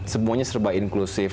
semuanya serba inklusif